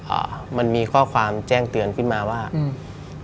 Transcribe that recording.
อ่ามันมีข้อความแจ้งเตือนขึ้นมาว่าอืม